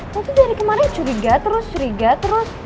lo tuh dari kemarin curiga terus curiga terus